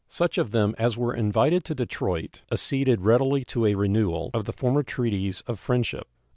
Such of them as were invited to Detroit acceded readily to a renewal of the former treaties of friendship.